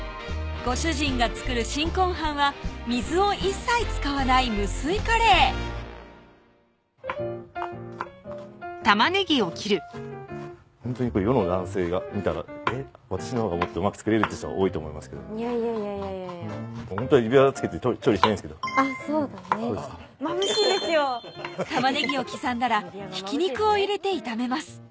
ご主人が作る新婚飯は水を一切使わない無水カレーほんとに世の男性が見たらえっ私のほうがもっとうまく作れるって人が多いと思いますけどいやいやいやいやほんとは指輪着けて調理しないんですけど玉ねぎを刻んだらひき肉を入れて炒めます